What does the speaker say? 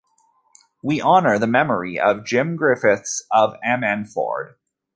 We honour the memory of Jim Griffiths of Ammanford.